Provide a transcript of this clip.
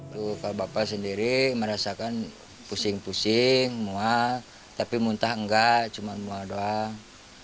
luka bapak sendiri merasakan pusing pusing mual tapi muntah enggak cuma mual doang